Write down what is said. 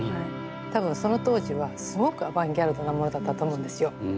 多分その当時はすごくアバンギャルドなものだったと思うんですよ。